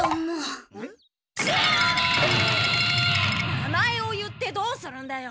名前を言ってどうするんだよ。